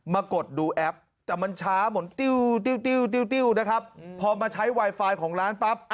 มากดดูแอปแต่มันช้าหมดติ้วนะครับพอมาใช้ไวไฟของร้านปั๊บ